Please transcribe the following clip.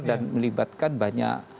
dan melibatkan banyak